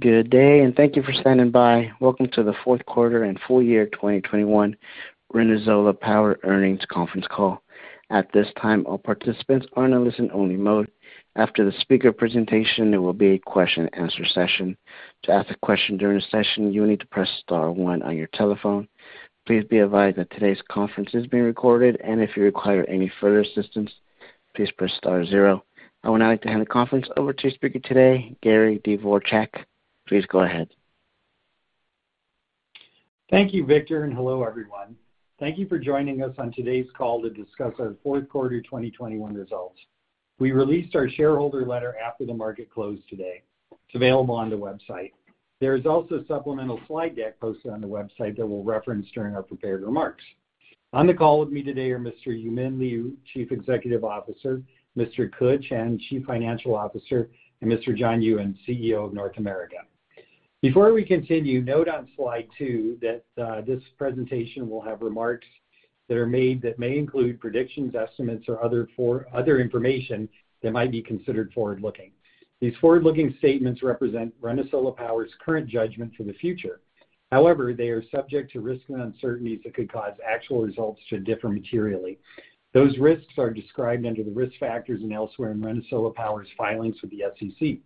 Good day, and thank you for standing by. Welcome to the Fourth Quarter and Full Year 2021 ReneSola Power Earnings Conference Call. At this time, all participants are in a listen-only mode. After the speaker presentation, there will be a question-and-answer session. To ask a question during the session, you will need to press star one on your telephone. Please be advised that today's conference is being recorded, and if you require any further assistance, please press star zero. I would now like to hand the conference over to the speaker today, Gary Dvorchak. Please go ahead. Thank you, Victor, and hello, everyone. Thank you for joining us on today's call to discuss our fourth quarter 2021 results. We released our shareholder letter after the market closed today. It's available on the website. There is also a supplemental slide deck posted on the website that we'll reference during our prepared remarks. On the call with me today are Mr. Yumin Liu, Chief Executive Officer, Mr. Ke Chen, Chief Financial Officer, and Mr. John Ewen, CEO of North America. Before we continue, note on slide two that this presentation will have remarks that are made that may include predictions, estimates or other information that might be considered forward-looking. These forward-looking statements represent ReneSola Power's current judgment for the future. However, they are subject to risks and uncertainties that could cause actual results to differ materially. Those risks are described under the risk factors and elsewhere in ReneSola Power's filings with the SEC.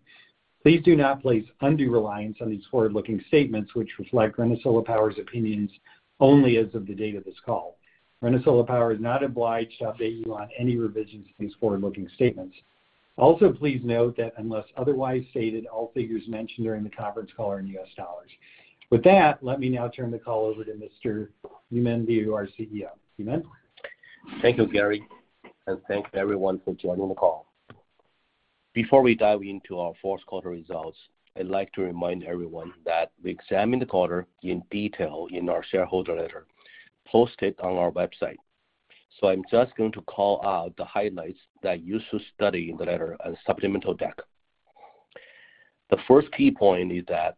Please do not place undue reliance on these forward-looking statements, which reflect ReneSola Power's opinions only as of the date of this call. ReneSola Power is not obliged to update you on any revisions to these forward-looking statements. Also, please note that unless otherwise stated, all figures mentioned during the conference call are in U.S. dollars. With that, let me now turn the call over to Mr. Yumin Liu, our CEO. Yumin? Thank you, Gary, and thank everyone for joining the call. Before we dive into our fourth quarter results, I'd like to remind everyone that we examined the quarter in detail in our shareholder letter posted on our website. I'm just going to call out the highlights that you should study in the letter and supplemental deck. The first key point is that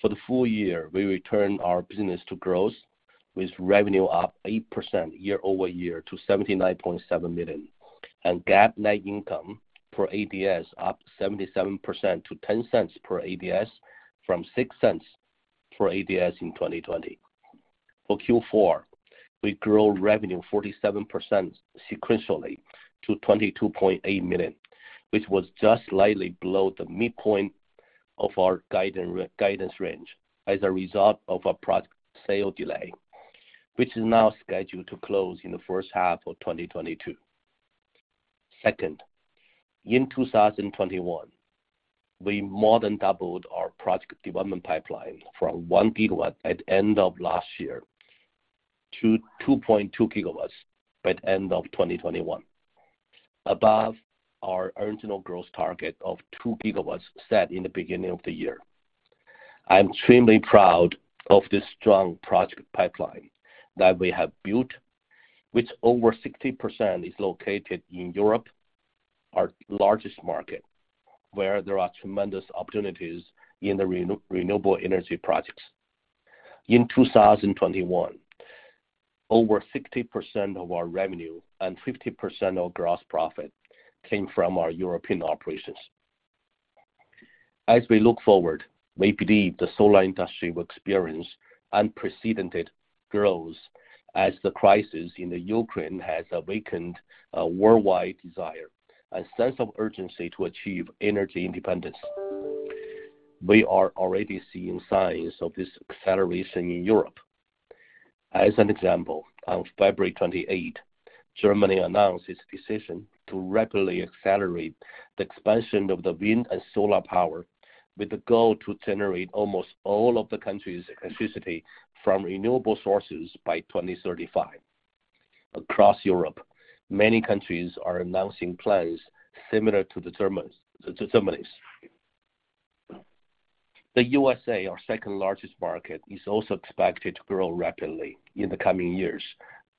for the full year, we returned our business to growth, with revenue up 8% year-over-year to $79.7 million, and GAAP net income per ADS up 77% to $0.10 per ADS from $0.06 per ADS in 2020. For Q4, we grow revenue 47% sequentially to $22.8 million, which was just slightly below the midpoint of our guidance range as a result of a product sale delay, which is now scheduled to close in the first half of 2022. Second, in 2021, we more than doubled our project development pipeline from 1 GW at end of last year to 2.2 GW by end of 2021, above our original growth target of 2 GW set in the beginning of the year. I'm extremely proud of this strong project pipeline that we have built, which over 60% is located in Europe, our largest market, where there are tremendous opportunities in the renewable energy projects. In 2021, over 60% of our revenue and 50% of gross profit came from our European operations. As we look forward, we believe the solar industry will experience unprecedented growth as the crisis in the Ukraine has awakened a worldwide desire, a sense of urgency to achieve energy independence. We are already seeing signs of this acceleration in Europe. As an example, on February 28, Germany announced its decision to rapidly accelerate the expansion of the wind and solar power with the goal to generate almost all of the country's electricity from renewable sources by 2035. Across Europe, many countries are announcing plans similar to Germany's. The U.S.A, our second-largest market, is also expected to grow rapidly in the coming years,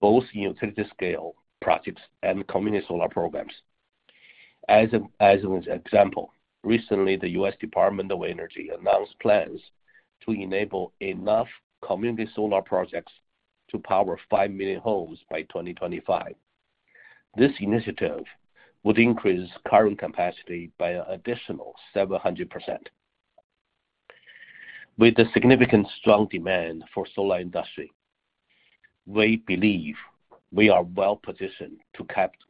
both in utility scale projects and community solar programs. As an example, recently, the U.S. Department of Energy announced plans to enable enough community solar projects to power five million homes by 2025. This initiative would increase current capacity by an additional 700%. With the significant strong demand for solar industry, we believe we are well-positioned to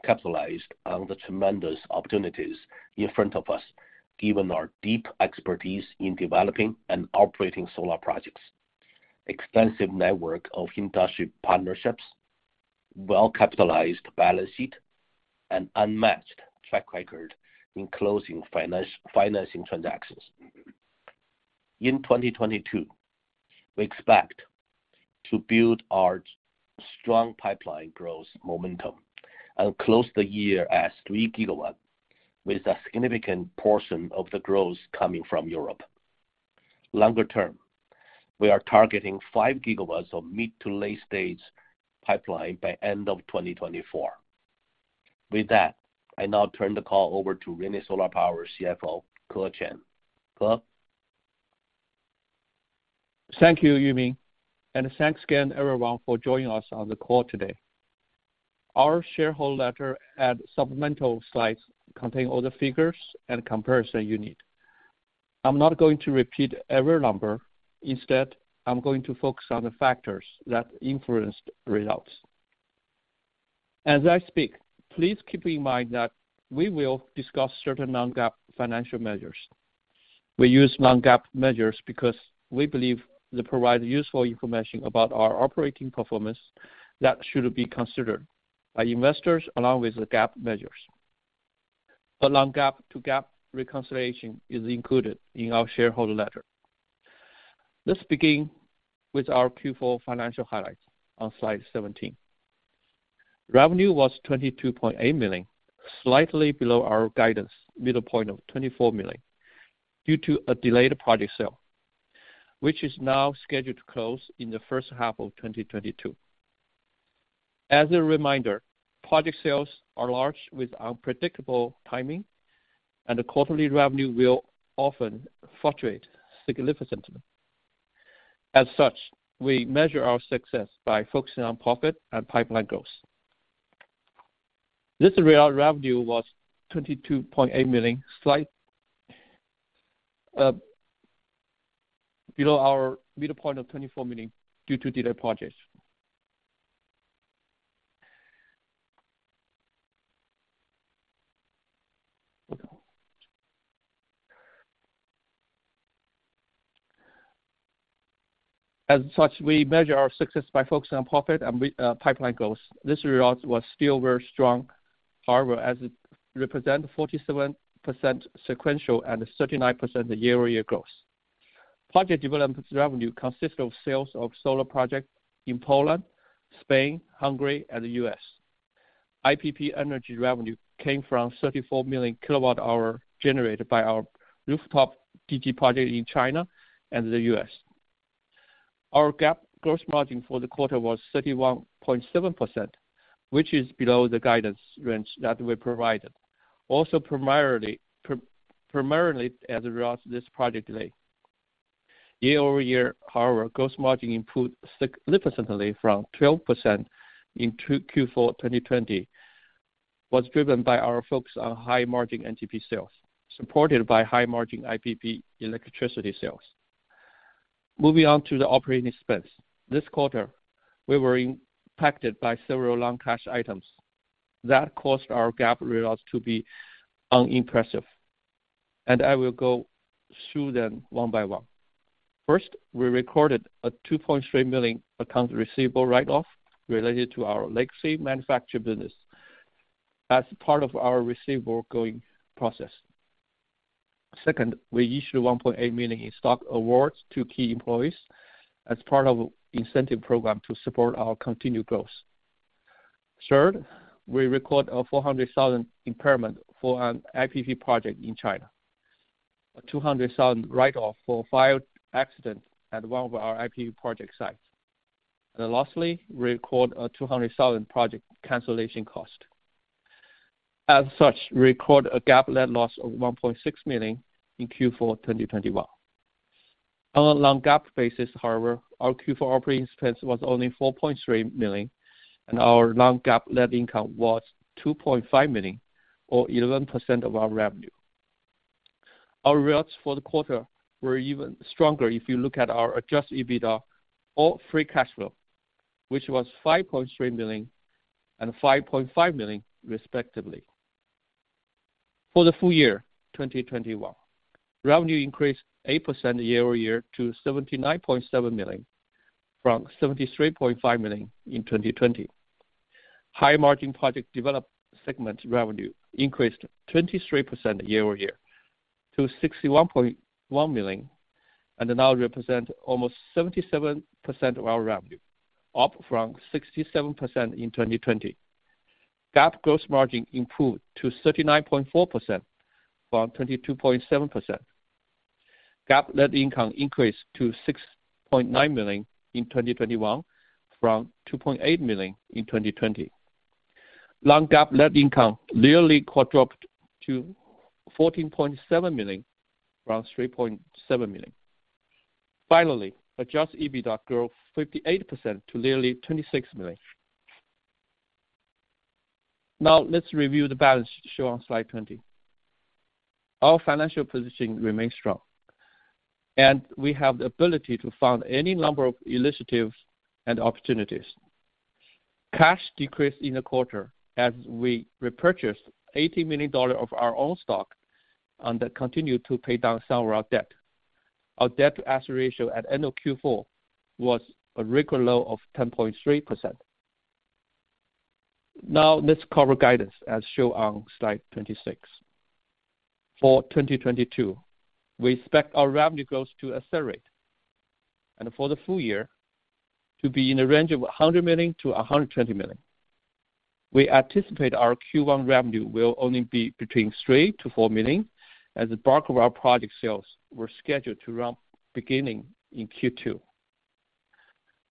capitalize on the tremendous opportunities in front of us, given our deep expertise in developing and operating solar projects, extensive network of industry partnerships, well-capitalized balance sheet, and unmatched track record in closing financing transactions. In 2022, we expect to build our strong pipeline growth momentum and close the year at 3 GW, with a significant portion of the growth coming from Europe. Longer term, we are targeting 5 GW of mid-to-late-stage pipeline by end of 2024. With that, I now turn the call over to ReneSola Power CFO, Ke Chen. Ke? Thank you, Yumin, and thanks again everyone for joining us on the call today. Our shareholder letter and supplemental slides contain all the figures and comparisons you need. I'm not going to repeat every number. Instead, I'm going to focus on the factors that influenced results. As I speak, please keep in mind that we will discuss certain non-GAAP financial measures. We use non-GAAP measures because we believe they provide useful information about our operating performance that should be considered by investors along with the GAAP measures. The non-GAAP to GAAP reconciliation is included in our shareholder letter. Let's begin with our Q4 financial highlights on slide 17. Revenue was $22.8 million, slightly below our guidance midpoint of $24 million due to a delayed project sale, which is now scheduled to close in the first half of 2022. As a reminder, project sales are large with unpredictable timing, and the quarterly revenue will often fluctuate significantly. As such, we measure our success by focusing on profit and pipeline growth. This year, our revenue was $22.8 million, slightly below our midpoint of $24 million due to delayed projects. As such, we measure our success by focusing on profit and pipeline growth. This result was still very strong, however, as it represent 47% sequential and 39% year-over-year growth. Project developments revenue consists of sales of solar projects in Poland, Spain, Hungary, and the U.S. IPP energy revenue came from 34 million kilowatt hours generated by our rooftop DG project in China and the U.S. Our GAAP gross margin for the quarter was 31.7%, which is below the guidance range that we provided. Primarily as a result of this project delay. Year-over-year, however, gross margin improved significantly from 12% in Q4 2020. It was driven by our focus on high margin NTP sales, supported by high margin IPP electricity sales. Moving on to the operating expense. This quarter, we were impacted by several non-cash items that caused our GAAP results to be unimpressive, and I will go through them one by one. First, we recorded a $2.3 million accounts receivable write-off related to our legacy manufacturing business as part of our receivables aging process. Second, we issued $1.8 million in stock awards to key employees as part of incentive program to support our continued growth. Third, we recorded a $400,000 impairment for an IPP project in China, a $200,000 write-off for fire accident at one of our IPP project sites. Lastly, record a $200,000 project cancellation cost. As such, record a GAAP net loss of $1.6 million in Q4 2021. On a non-GAAP basis, however, our Q4 operating expense was only $4.3 million, and our non-GAAP net income was $2.5 million or 11% of our revenue. Our results for the quarter were even stronger if you look at our adjusted EBITDA or free cash flow, which was $5.3 million and $5.5 million respectively. For the full year 2021, revenue increased 8% year-over-year to $79.7 million from $73.5 million in 2020. High margin project developed segment revenue increased 23% year-over-year to $61.1 million, and now represent almost 77% of our revenue, up from 67% in 2020. GAAP gross margin improved to 39.4% from 22.7%. GAAP net income increased to $6.9 million in 2021 from $2.8 million in 2020. Non-GAAP net income nearly quadrupled to $14.7 million, from $3.7 million. Finally, adjusted EBITDA grew 58% to nearly $26 million. Now let's review the balance sheet shown on slide 20. Our financial positioning remains strong, and we have the ability to fund any number of initiatives and opportunities. Cash decreased in the quarter as we repurchased $80 million of our own stock and then continued to pay down some of our debt. Our debt to asset ratio at end of Q4 was a record low of 10.3%. Now let's cover guidance as shown on slide 26. For 2022, we expect our revenue growth to accelerate and for the full year to be in the range of $100 million-$120 million. We anticipate our Q1 revenue will only be between $3 million to $4 million, as the bulk of our project sales were scheduled to ramp beginning in Q2.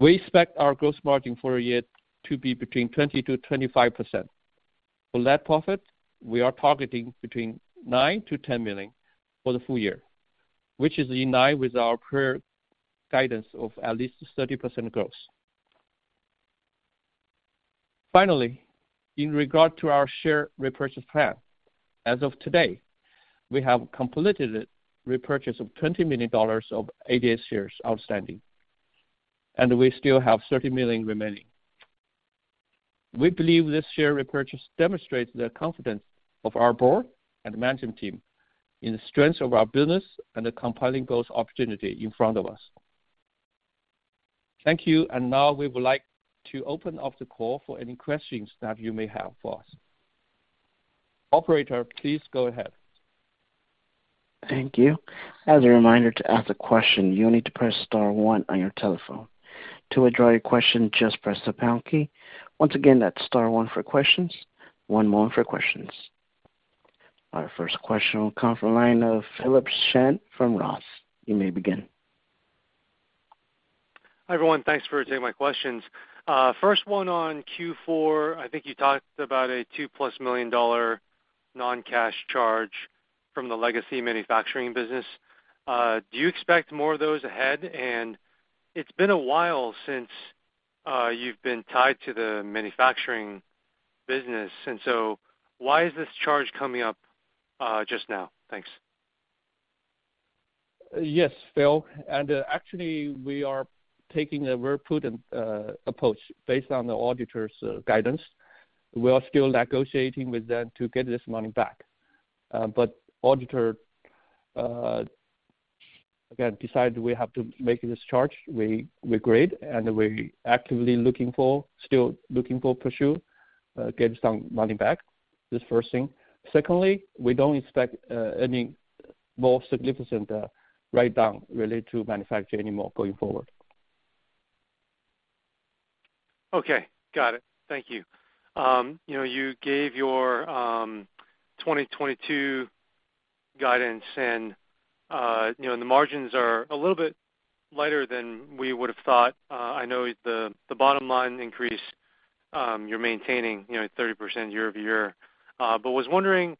We expect our gross margin for a year to be between 20%-25%. For net profit, we are targeting between $9 million-$10 million for the full year, which is in line with our prior guidance of at least 30% growth. Finally, in regard to our share repurchase plan, as of today, we have completed repurchase of $20 million of ADS shares outstanding, and we still have $30 million remaining. We believe this share repurchase demonstrates the confidence of our board and management team in the strength of our business and the compelling growth opportunity in front of us. Thank you. Now we would like to open up the call for any questions that you may have for us. Operator, please go ahead. Thank you. As a reminder, to ask a question, you'll need to press star one on your telephone. To withdraw your question, just press the pound key. Once again, that's star one for questions. One moment for questions. Our first question will come from the line of Philip Shen from Roth. You may begin. Hi, everyone. Thanks for taking my questions. First one on Q4. I think you talked about a $2+ million non-cash charge from the legacy manufacturing business. Do you expect more of those ahead? It's been a while since you've been tied to the manufacturing business, and so why is this charge coming up just now? Thanks. Yes, Phil. Actually, we are taking a very prudent approach based on the auditor's guidance. We are still negotiating with them to get this money back. The auditor again decided we have to make this charge. We agreed, and we're actively looking to pursue getting some money back. That's the first thing. Second, we don't expect any more significant write-down related to manufacturing anymore going forward. Okay. Got it. Thank you. You know, you gave your 2022 guidance and, you know, the margins are a little bit lighter than we would have thought. I know the bottom line increase, you're maintaining, you know, 30% year-over-year. Was wondering,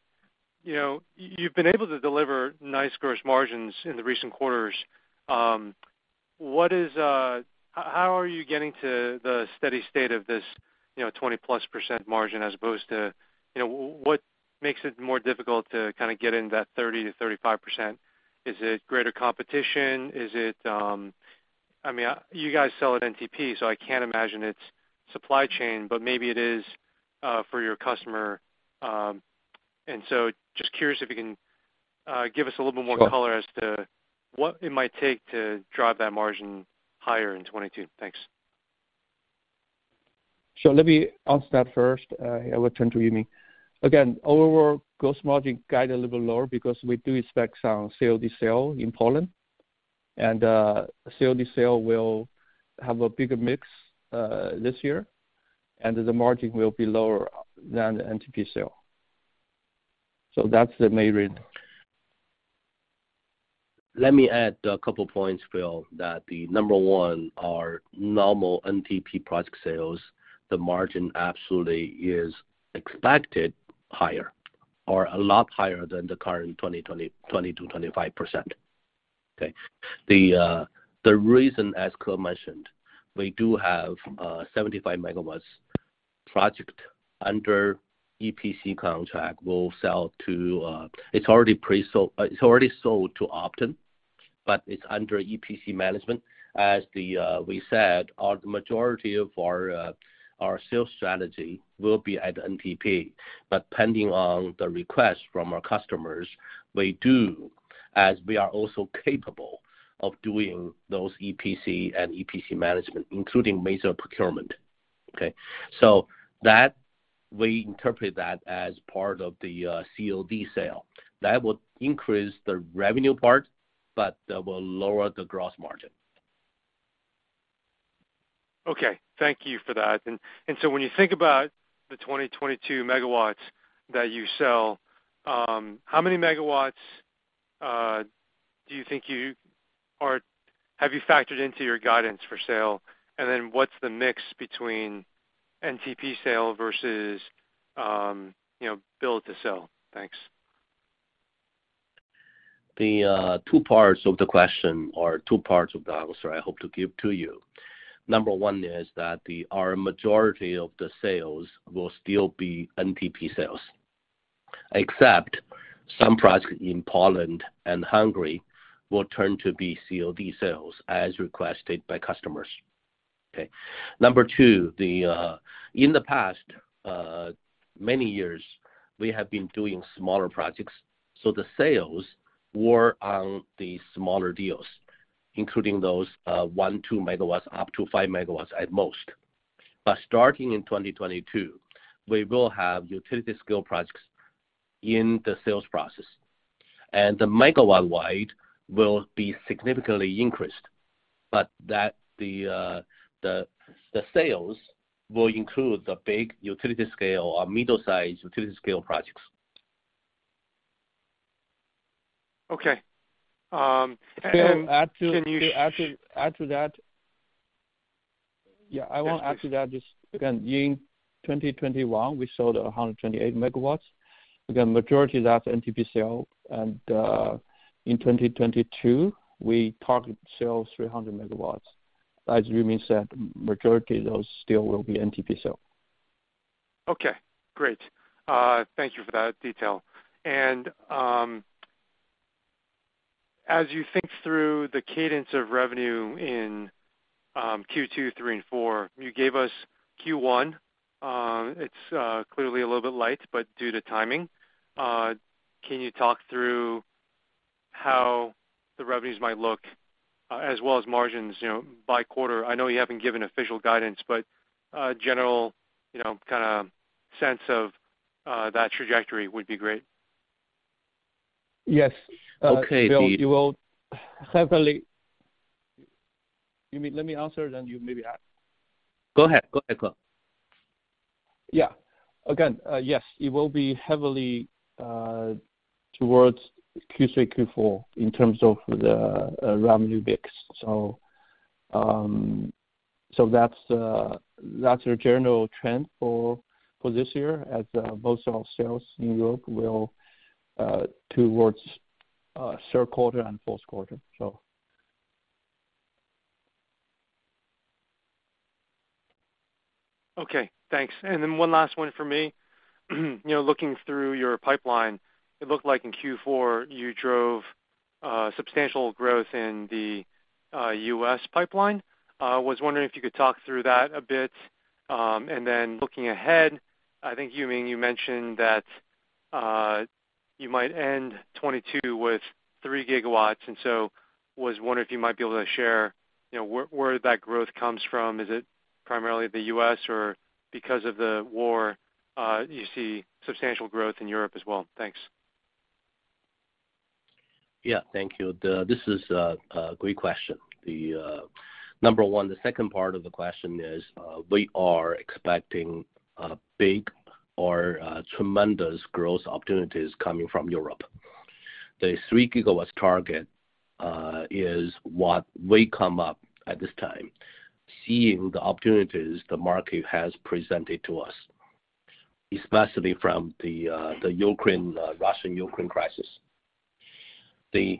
you know, you've been able to deliver nice gross margins in the recent quarters. How are you getting to the steady state of this, you know, 20%+ margin as opposed to, you know, what makes it more difficult to kinda get into that 30%-35%? Is it greater competition? Is it, I mean, you guys sell at NTP, so I can't imagine it's supply chain, but maybe it is, for your customer. Just curious if you can give us a little bit more color. Sure. As to what it might take to drive that margin higher in 2022? Thanks. Let me answer that first. I will turn to Yumin. Again, our overall gross margin guide is a little lower because we do expect some COD sale in Poland. COD sale will have a bigger mix this year, and the margin will be lower than the NTP sale. That's the main reason. Let me add a couple of points, Phil, that number one, our normal NTP project sales, the margin absolutely is expected higher or a lot higher than the current 20%-25%. Okay? The reason, as Ke mentioned, we do have a 75 MW project under EPC contract. It's already sold to Obton, but it's under EPC management. As we said, the majority of our sales strategy will be at NTP. But depending on the request from our customers, we do, as we are also capable of doing those EPC and EPC management, including major procurement. Okay? That, we interpret that as part of the COD sale. That would increase the revenue part, but that will lower the gross margin. Okay. Thank you for that. When you think about the 2022 MW that you sell, how many megawatts have you factored into your guidance for sale? What's the mix between NTP sale versus you know, build to sell? Thanks. The two parts of the question or two parts of the answer I hope to give to you. Number one is that our majority of the sales will still be NTP sales, except some projects in Poland and Hungary will turn to be COD sales as requested by customers. Okay? Number two, in the past many years, we have been doing smaller projects, so the sales were on the smaller deals, including those 1, 2 MW, up to 5 MW at most. Starting in 2022, we will have utility scale projects in the sales process, and the megawatt wide will be significantly increased. That, the sales will include the big utility scale or middle-sized utility scale projects. Okay. Philip, add to that. I want to add to that. Just again, in 2021, we sold 128 MW. Again, majority of that NTP sale. In 2022, we target to sell 300 MW. As Yumin said, majority of those still will be NTP sale. Okay, great. Thank you for that detail. As you think through the cadence of revenue in Q2, 3, and 4, you gave us Q1. It's clearly a little bit light, but due to timing. Can you talk through how the revenues might look, as well as margins, you know, by quarter? I know you haven't given official guidance, but a general, you know, kinda sense of that trajectory would be great. Yes. Okay, the. Yumin, let me answer, then you maybe add. Go ahead, Ke. Yeah. Again, yes, it will be heavily towards Q3, Q4 in terms of the revenue mix. That's the general trend for this year as most of our sales in Europe will be towards third quarter and fourth quarter, so. Okay, thanks. One last one for me. You know, looking through your pipeline, it looked like in Q4 you drove substantial growth in the U.S. pipeline. Was wondering if you could talk through that a bit. Looking ahead, I think, Yumin, you mentioned that you might end 2022 with 3 GW, and so was wondering if you might be able to share, you know, where that growth comes from. Is it primarily the U.S. or, because of the war, you see substantial growth in Europe as well? Thanks. Yeah. Thank you. This is a great question. Number one, the second part of the question is, we are expecting big or tremendous growth opportunities coming from Europe. The 3 GW target is what we come up with at this time, seeing the opportunities the market has presented to us, especially from the Russian-Ukraine crisis. The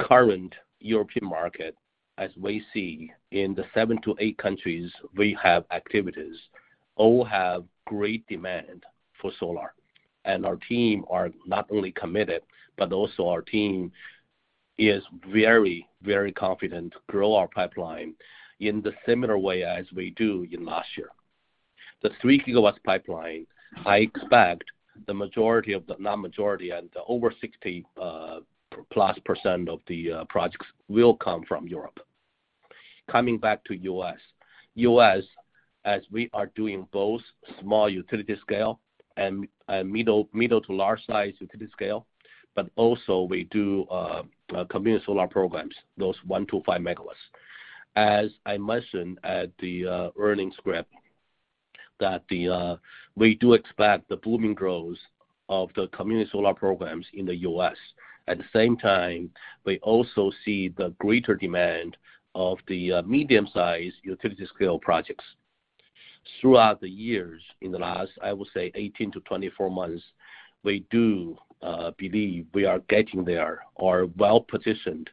current European market, as we see in the seven to eight countries we have activities, all have great demand for solar. Our team are not only committed, but also our team is very, very confident to grow our pipeline in the similar way as we do in last year. The 3 GW pipeline, I expect the majority of the, not majority, and over 60%+ of the projects will come from Europe. Coming back to U.S. In the U.S., as we are doing both small utility-scale and middle to large size utility-scale, but also we do community solar programs, those 1-5 MW. As I mentioned at the earnings call, that we do expect the booming growth of the community solar programs in the U.S. At the same time, we also see the greater demand for the medium-sized utility-scale projects. Throughout the years in the last, I would say 18-24 months, we do believe we are getting there or well-positioned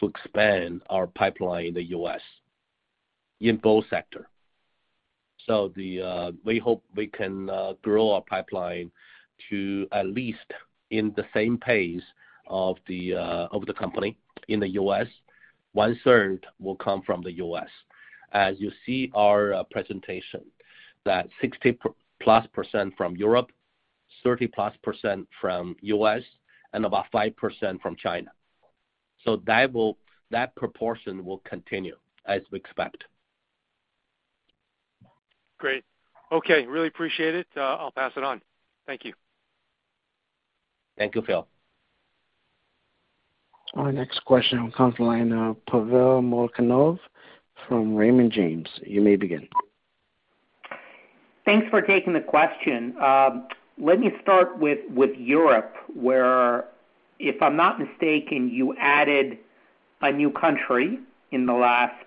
to expand our pipeline in the U.S. In both sectors. We hope we can grow our pipeline to at least at the same pace as the company in the U.S. 1/3 will come from the U.S. As you see our presentation, that 60%+ from Europe, 30%+ from U.S., and about 5% from China. That proportion will continue as we expect. Great. Okay. Really appreciate it. I'll pass it on. Thank you. Thank you, Phil. Our next question will come from the line of Pavel Molchanov from Raymond James. You may begin. Thanks for taking the question. Let me start with Europe, where if I'm not mistaken, you added a new country in the last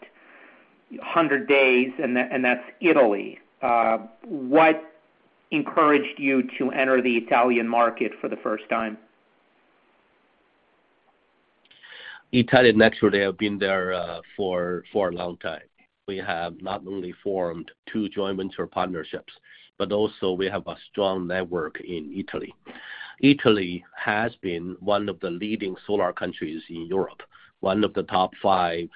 100 days and that's Italy. What encouraged you to enter the Italian market for the first time? Italy, actually they have been there for a long time. We have not only formed two joint venture partnerships, but also we have a strong network in Italy. Italy has been one of the leading solar countries in Europe, one of the top 5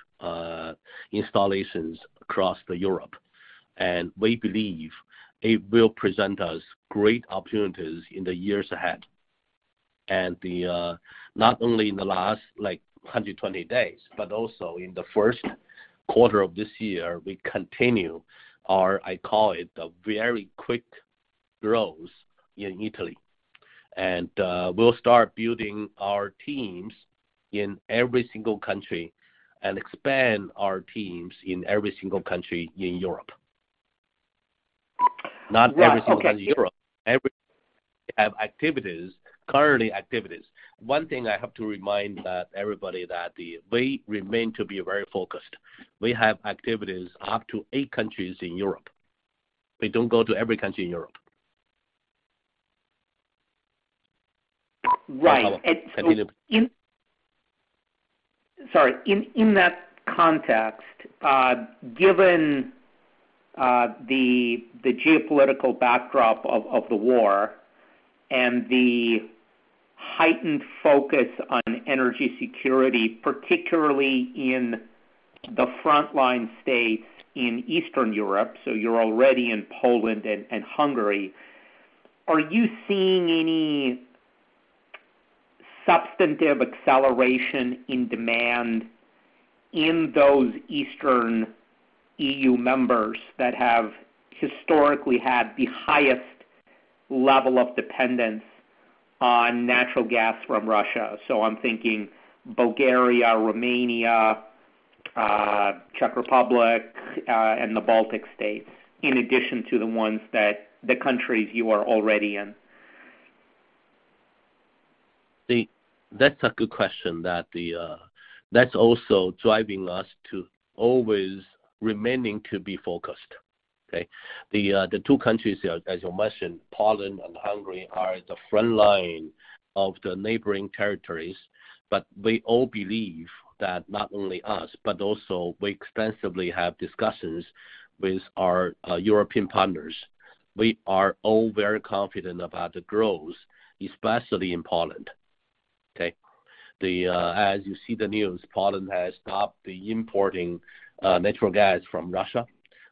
installations across Europe. We believe it will present us great opportunities in the years ahead. Not only in the last like 120 days, but also in the first quarter of this year, we continue our, I call it, a very quick growth in Italy. We'll start building our teams in every single country and expand our teams in every single country in Europe. Not every single in Europe. Activities, currently activities. One thing I have to remind everybody that we remain to be very focused. We have activities up to eight countries in Europe. We don't go to every country in Europe. Right. Hello? Can you hear me? In that context, given the geopolitical backdrop of the war and the heightened focus on energy security, particularly in the frontline states in Eastern Europe, so you're already in Poland and Hungary, are you seeing any substantive acceleration in demand in those Eastern EU members that have historically had the highest level of dependence on natural gas from Russia? So I'm thinking Bulgaria, Romania, Czech Republic, and the Baltic states, in addition to the ones that the countries you are already in. That's a good question. That's also driving us to always remaining to be focused. Okay. The two countries, as you mentioned, Poland and Hungary are the front line of the neighboring territories. We all believe that not only us, but also we extensively have discussions with our European partners. We are all very confident about the growth, especially in Poland. Okay. As you see the news, Poland has stopped importing natural gas from Russia,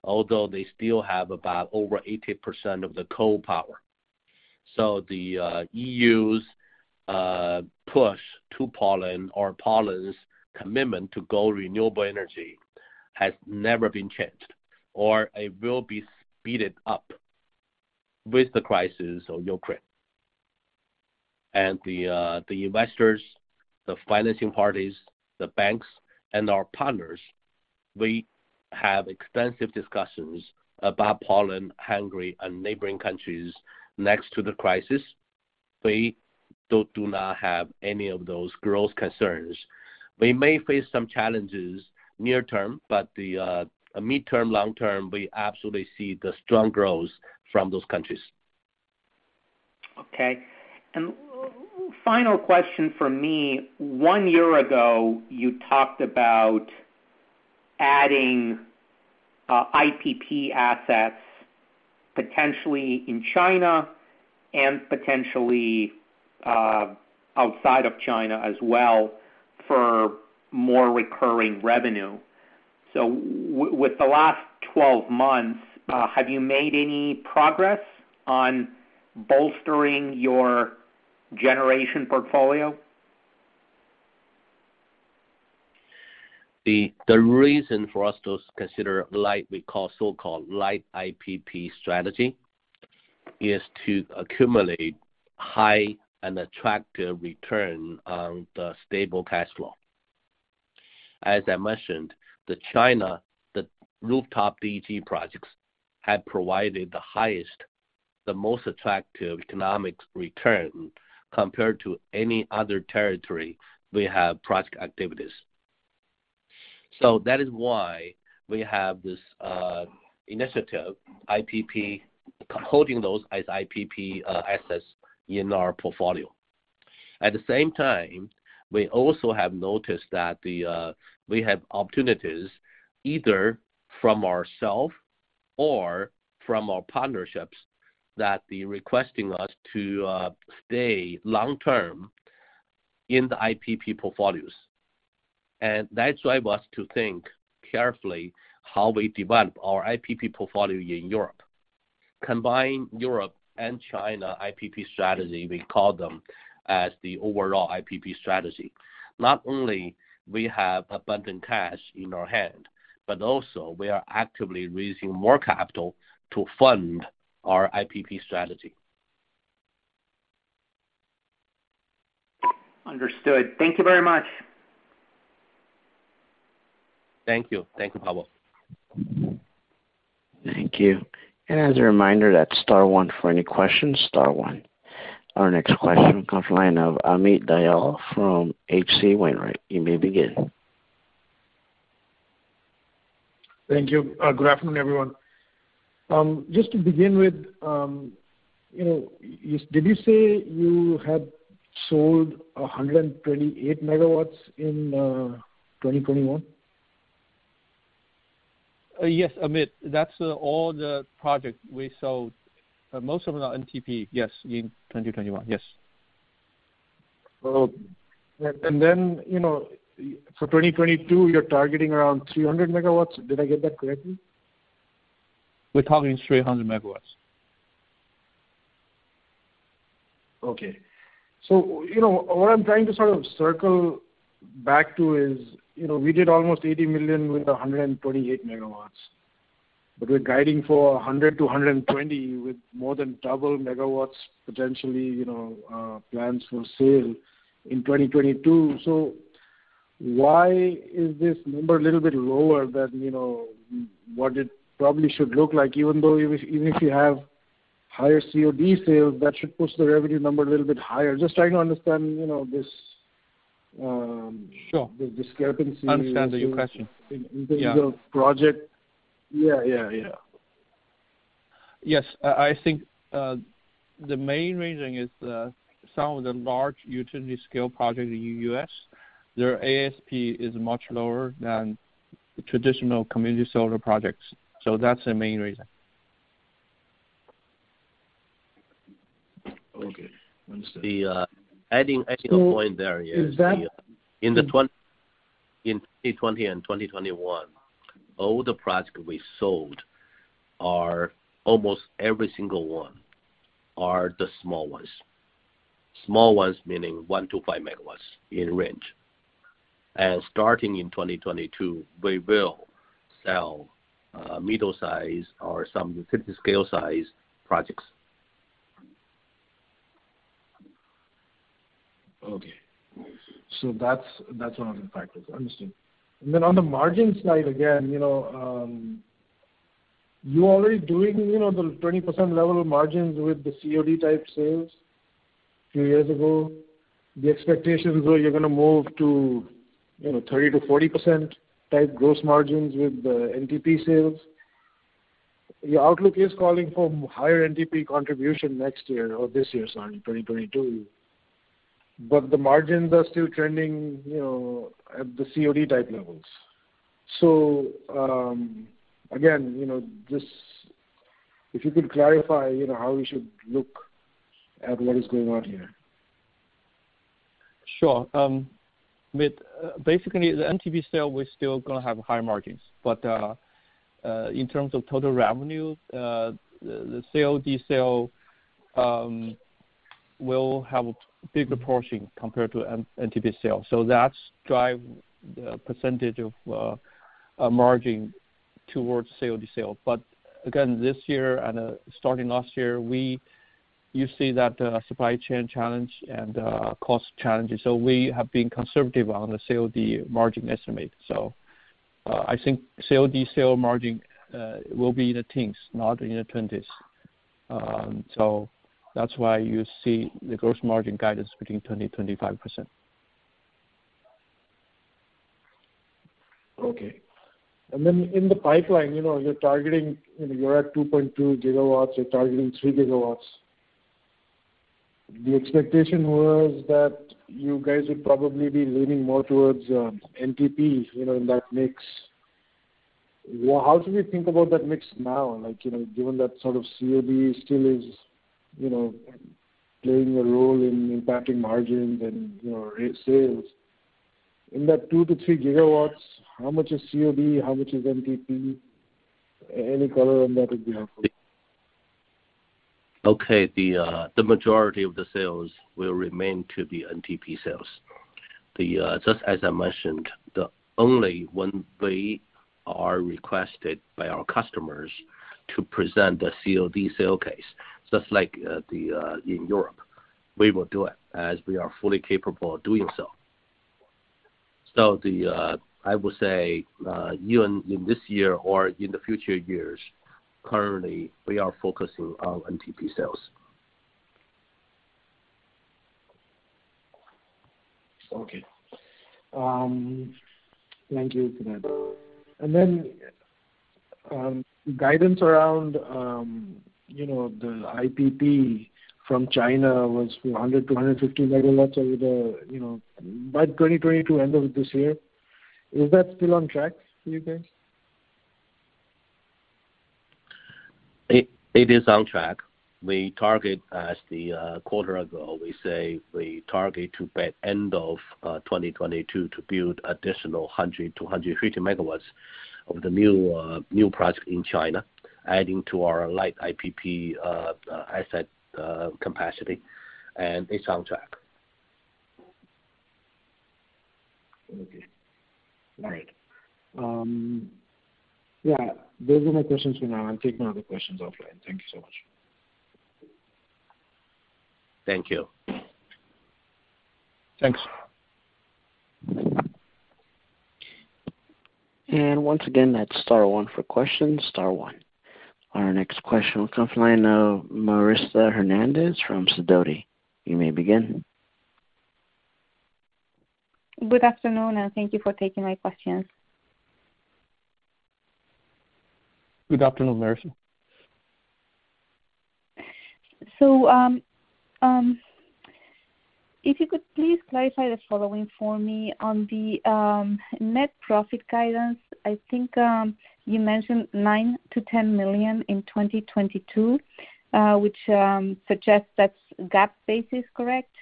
although they still have about over 80% of the coal power. The EU's push to Poland or Poland's commitment to go renewable energy has never been changed, or it will be speeded up with the crisis of Ukraine. The investors, the financing parties, the banks, and our partners, we have extensive discussions about Poland, Hungary, and neighboring countries next to the crisis. We do not have any of those growth concerns. We may face some challenges near term, but the midterm, long term, we absolutely see the strong growth from those countries. Okay. Final question from me. One year ago, you talked about adding IPP assets potentially in China and potentially outside of China as well for more recurring revenue. With the last 12 months, have you made any progress on bolstering your generation portfolio? The reason for us to consider light, we call so-called light IPP strategy, is to accumulate high and attractive return on the stable cash flow. As I mentioned, the China rooftop DG projects have provided the highest, most attractive economic return compared to any other territory we have project activities. That is why we have this initiative IPP, holding those as IPP assets in our portfolio. At the same time, we also have noticed that we have opportunities either from ourselves or from our partnerships that they're requesting us to stay long term in the IPP portfolios. That drives us to think carefully how we develop our IPP portfolio in Europe. Combine Europe and China IPP strategy, we call them as the overall IPP strategy. Not only we have abundant cash in our hand, but also we are actively raising more capital to fund our IPP strategy. Understood. Thank you very much. Thank you. Thank you, Pavel. Thank you. As a reminder, that's star one for any questions, star one. Our next question comes from the line of Amit Dayal from H.C. Wainwright. You may begin. Thank you. Good afternoon, everyone. Just to begin with, did you say you had sold 128 MW in 2021? Yes, Amit. That's all the projects we sold, most of them are NTP. Yes, in 2021. Yes. Well, then, you know, for 2022, you're targeting around 300 MW. Did I get that correctly? We're targeting 300 MW. What I'm trying to sort of circle back to is, you know, we did almost $80 million with 128 MW, but we're guiding for $100 million to $120 million with more than double MW, potentially, you know, plans for sale in 2022. Why is this number a little bit lower than, you know, what it probably should look like? Even though if you have higher COD sales, that should push the revenue number a little bit higher. Just trying to understand, you know, this. Sure. This discrepancy. Understand your question. In terms of project. Yeah. Yes. I think the main reason is that some of the large utility scale projects in U.S., their ASP is much lower than traditional community solar projects. That's the main reason. Okay. Understand. Adding a point there is the Is that. In 2020 and 2021, all the projects we sold, almost every single one, are the small ones. Small ones meaning 1-5 MW in range. Starting in 2022, we will sell middle size or some utility scale size projects. Okay. That's one of the factors. I understand. On the margin side, again, you know, you're already doing, you know, the 20% level margins with the COD type sales few years ago. The expectations were you're gonna move to, you know, 30%-40% type gross margins with the NTP sales. Your outlook is calling for higher NTP contribution next year or this year, sorry, in 2022. The margins are still trending, you know, at the COD type levels. Again, you know, just if you could clarify, you know, how we should look at what is going on here. Sure. With basically the NTP sale will still gonna have high margins. In terms of total revenue, the COD sale will have a bigger portion compared to NTP sale. That's drive the percentage of margin towards COD sale. Again, this year and starting last year, you see that supply chain challenge and cost challenges. We have been conservative on the COD margin estimate. I think COD sale margin will be in the teens, not in the twenties. That's why you see the gross margin guidance between 20%-25%. Okay. Then in the pipeline, you know, you're targeting, you know, you're at 2.2 GW, you're targeting 3 GW. The expectation was that you guys would probably be leaning more towards NTP, you know, in that mix. Well, how should we think about that mix now? Like, you know, given that sort of COD still is, you know, playing a role in impacting margins and sales. In that 2-3 GW, how much is COD? How much is NTP? Any color on that would be helpful. Okay. The majority of the sales will remain to be NTP sales. Just as I mentioned, only when we are requested by our customers to present the COD sale case, just like in Europe, we will do it as we are fully capable of doing so. I would say even in this year or in the future years, currently we are focusing on NTP sales. Okay. Thank you for that. Guidance around, you know, the IPP from China was 100-150 MW over the, you know, by 2022 end of this year. Is that still on track, do you think? It is on track. As we said a quarter ago, we target, by end of 2022, to build additional 100-150 MW of new project in China, adding to our light IPP asset capacity, and it's on track. Okay. All right. Yeah. Those are my questions for now. I'll take my other questions offline. Thank you so much. Thank you. Thanks. Once again, that's star one for questions, star one. Our next question will come from the line of Marisa Hernandez from Sidoti. You may begin. Good afternoon, and thank you for taking my questions. Good afternoon, Marisa. If you could please clarify the following for me. On the net profit guidance, I think you mentioned $9 million-$10 million in 2022, which suggests that's GAAP basis, correct?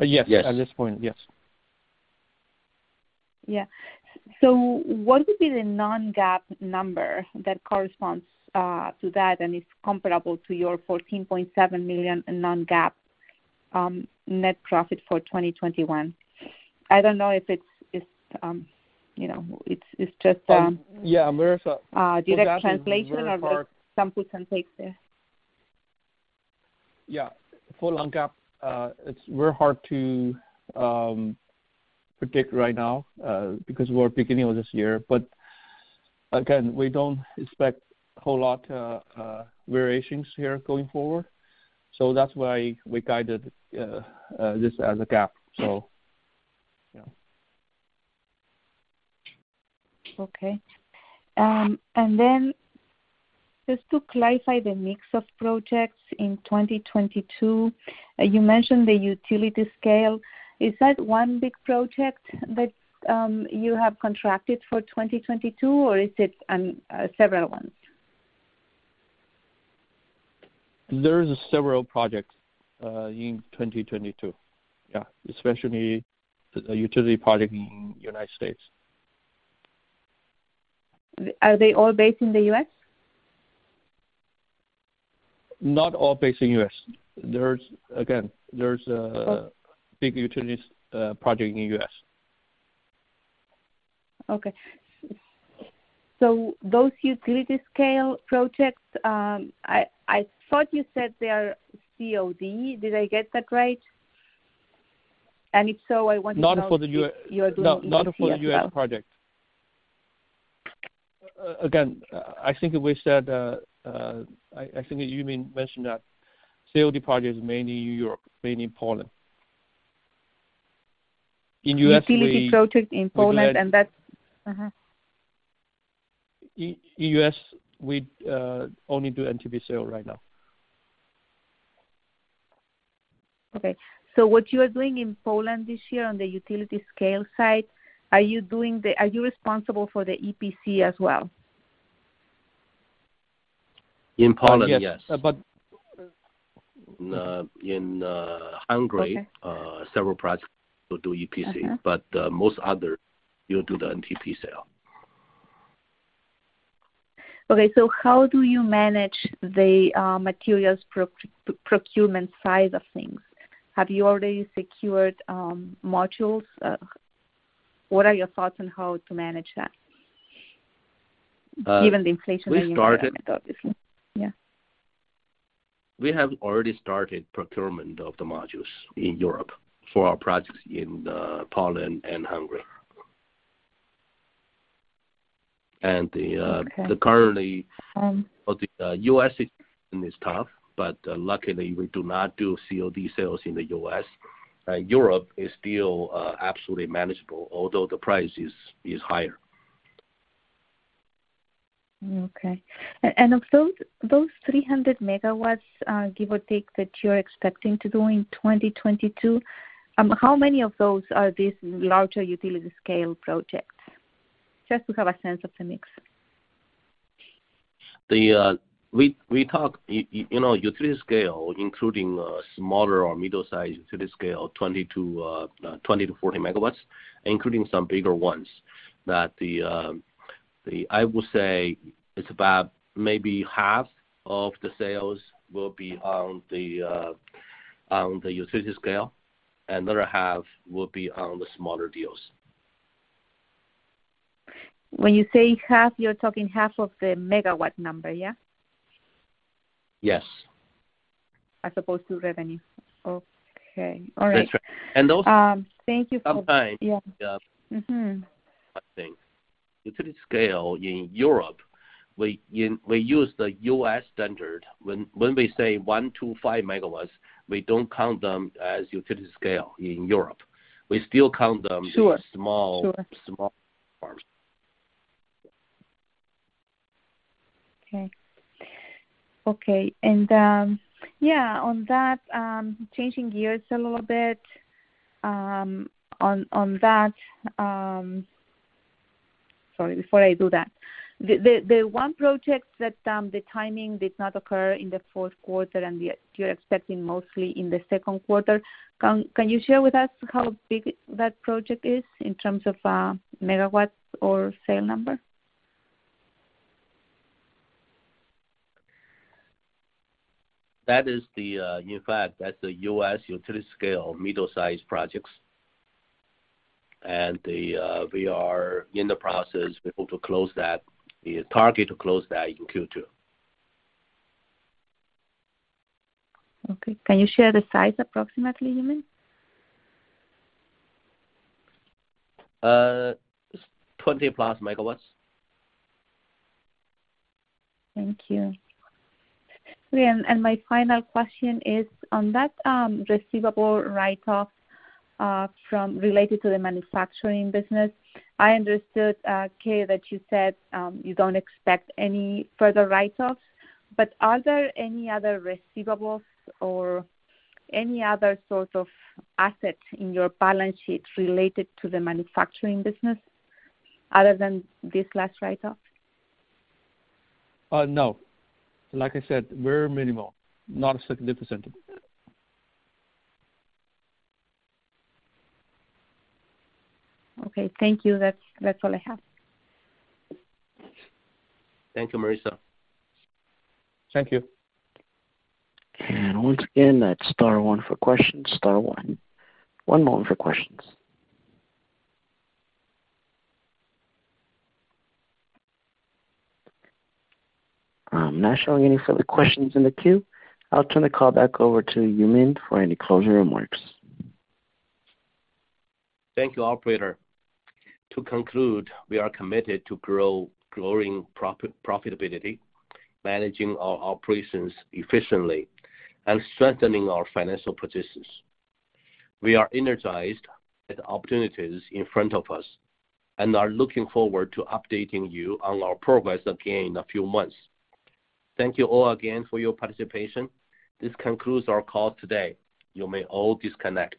Yes. Yes. At this point, yes. Yeah. What would be the non-GAAP number that corresponds to that and is comparable to your $14.7 million non-GAAP net profit for 2021? I don't know if it's, you know, it's just. Yeah, Marissa. Direct translation. GAAP is very hard. There's some puts and takes there. Yeah. For long GAAP, it's real hard to predict right now, because we're at the beginning of this year. Again, we don't expect a whole lot of variations here going forward, so that's why we guided this as a GAAP. Yeah. Okay. Just to clarify the mix of projects in 2022, you mentioned the utility scale. Is that one big project that you have contracted for 2022, or is it several ones? There is several projects in 2022. Yeah, especially the utility project in United States. Are they all based in the U.S.? Not all based in U.S. There's, again, a big utilities project in U.S. Okay. Those utility scale projects, I thought you said they are COD. Did I get that right? If so, I wanted to know if you. Not for the U.S. Not for the U.S. project. Again, I think we said, I think Yumin mentioned that COD project is mainly Europe, mainly Poland. In U.S., we. Utility project in Poland and that? In U.S., we only do NTP sale right now. Okay. What you are doing in Poland this year on the utility scale side, are you responsible for the EPC as well? In Poland, yes. Okay. In Hungary. Okay. Several projects will do EPC. Uh-huh. Most other, we will do the NTP sale. Okay, how do you manage the materials procurement side of things? Have you already secured modules? What are your thoughts on how to manage that given the inflation obviously? Yeah. We have already started procurement of the modules in Europe for our projects in Poland and Hungary. Okay. The U.S. situation is tough, but luckily, we do not do COD sales in the U.S. Europe is still absolutely manageable, although the price is higher. Of those 300 MW, give or take, that you're expecting to do in 2022, how many of those are these larger utility scale projects? Just to have a sense of the mix. We talk, you know, utility scale, including smaller or middle-sized utility scale, 20-40 MW, including some bigger ones. I would say it's about maybe half of the sales will be on the utility scale, and the other half will be on the smaller deals. When you say half, you're talking half of the megawatt number, yeah? Yes. As opposed to revenue. Okay. All right. That's right. Thank you for. Sometimes. Yeah. Mm-hmm. I think. Utility scale in Europe, we use the U.S. standard. When we say 1-5 MW, we don't count them as utility scale in Europe. We still count them. Sure. As small. Sure. Small farms. Okay. Yeah, on that, changing gears a little bit. Sorry, before I do that. The one project that the timing did not occur in the fourth quarter, and you're expecting mostly in the second quarter, can you share with us how big that project is in terms of megawatts or sales number? That is, in fact, that's the U.S. utility scale middle-sized projects. We are in the process able to close that. We target to close that in Q2. Okay. Can you share the size approximately, Yumin? 20+ MW. Thank you. Okay, my final question is on that receivable write-off from, related to the manufacturing business. I understood, Ke, that you said you don't expect any further write-offs, but are there any other receivables or any other sort of assets in your balance sheet related to the manufacturing business other than this last write-off? No. Like I said, very minimal, not significant. Okay. Thank you. That's all I have. Thank you, Marisa. Thank you. Once again, that's star one for questions. Star one. One moment for questions. I'm not showing any further questions in the queue. I'll turn the call back over to Yumin for any closing remarks. Thank you, operator. To conclude, we are committed to growing profitability, managing our operations efficiently, and strengthening our financial positions. We are energized at the opportunities in front of us and are looking forward to updating you on our progress again in a few months. Thank you all again for your participation. This concludes our call today. You may all disconnect.